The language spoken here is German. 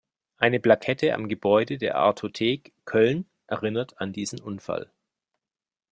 Eine Plakette am Gebäude der Artothek Köln erinnert an diesen Unfall.